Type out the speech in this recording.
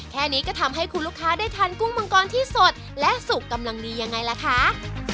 แค่นี้ก็ทำให้คุณลูกค้าได้ทานกุ้งมังกรที่สดและสุกกำลังดียังไงล่ะคะ